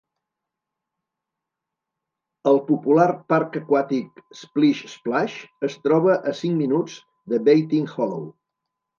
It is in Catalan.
El popular parc aquàtic Splish Splash es troba a cinc minuts de Baiting Hollow.